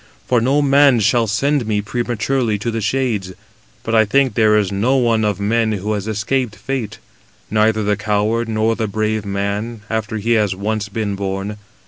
For no man shall send me prematurely to the shades. But I think there is no one of men who has escaped fate, neither the coward nor the brave man, after he has once been born.